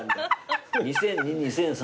２００２２００３